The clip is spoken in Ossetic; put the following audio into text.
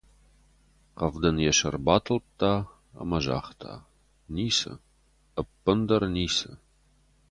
Хъӕвдын йӕ сӕр батылдта ӕмӕ загъта: «Ницы. Ӕппындӕр ницы».